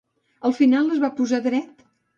Al final es va posar dret?